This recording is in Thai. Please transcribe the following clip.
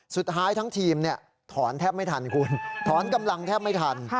สุดท้ายทั้งทีมถอนแทบไม่ทันคุณถอนกำลังแทบไม่ทัน